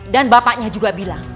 dan bapaknya juga bilang